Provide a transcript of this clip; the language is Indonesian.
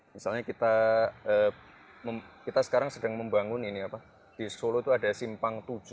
misalnya kita sekarang sedang membangun ini apa di solo itu ada simpang tujuh